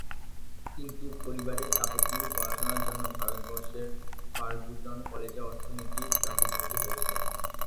কিন্তু পরিবারে চাপে তিনি পড়াশোনার উদ্দেশ্যে ভারতের ফার্গুসন কলেজে অর্থনীতি বিভাগে ভর্তি হয়েছিলেন।